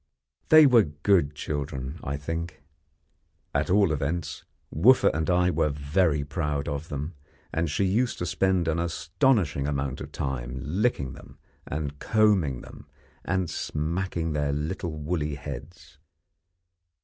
They were good children, I think. At all events, Wooffa and I were very proud of them, and she used to spend an astonishing amount of time licking them, and combing them, and smacking their little woolly heads.